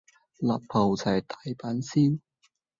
辣泡菜大阪燒